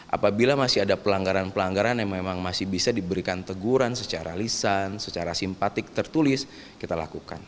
apabila masih ada pelanggaran pelanggaran yang memang masih bisa diberikan teguran secara lisan secara simpatik tertulis kita lakukan